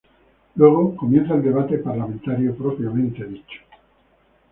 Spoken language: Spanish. Luego comienza el debate parlamentario propiamente tal.